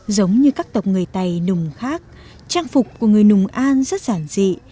giống như các tộc người tây nùng khác trang phục của người nùng an rất giản dị